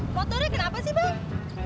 foto deh kenapa sih bang